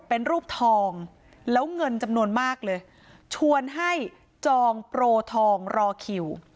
เป็นรูปทองแล้วเงินจำนวนมากเลยชวนให้จองโปรทองรอคิว